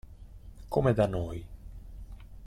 Come da noi.